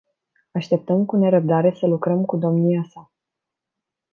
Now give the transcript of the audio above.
Așteptăm cu nerăbdare să lucrăm cu domnia sa.